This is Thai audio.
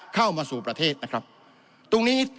เข้ามาสู่ประเทศนะครับตรงนี้